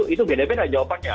itu beda beda jawabannya